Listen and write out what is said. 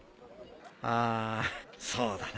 ああそうだな。